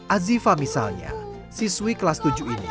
azifa misalnya siswi kelas tujuh ini